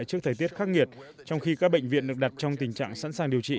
trước thời tiết khắc nghiệt trong khi các bệnh viện được đặt trong tình trạng sẵn sàng điều trị